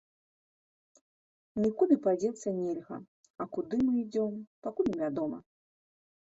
Нікуды падзецца нельга, а куды мы ідзём, пакуль невядома.